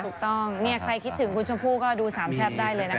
ถูกต้องเนี่ยใครคิดถึงคุณชมพู่ก็ดูสามแซ่บได้เลยนะคะ